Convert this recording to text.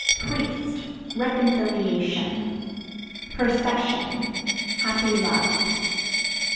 Priest Reconciliation. Procession Happy love.